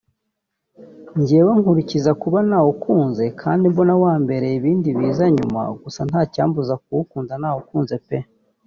“Njyewe nkurikiza kuba nawukunze kandi mbona wambereye ibindi biza nyuma gusa nta cyambuza kuwugura nawukunze pe”